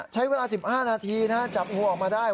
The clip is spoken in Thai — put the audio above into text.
ใช้เวลา๑๕นาทีจับงูออกมาได้